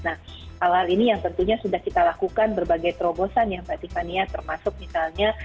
nah hal ini yang tentunya sudah kita lakukan berbagai terobosan yang berarti kandian termasuk misalnya